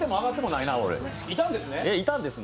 いたんですね。